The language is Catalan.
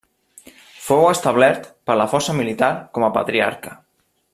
Fou establert per la força militar com a patriarca.